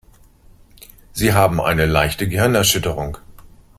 Sie haben eine leichte Gehirnerschütterung.